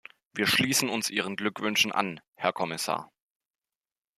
Wir schließen uns Ihren Glückwünschen an, Herr Kommissar.